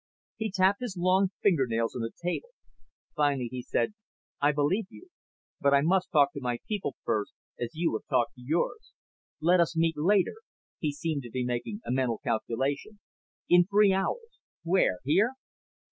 He tapped his long fingernails on the table. Finally he said, "I believe you. But I must talk to my people first, as you have talked to yours. Let us meet later" he seemed to be making a mental calculation "in three hours. Where? Here?"